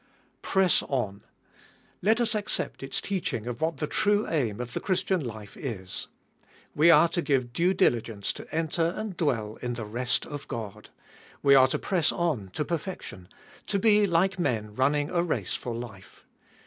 Press on ! Let us accept its teaching of what the true aim of the Christian life is. We are to give due diligence to enter and dwell in the rest of God. We are to press on to perfection ; to be like men running a race for life.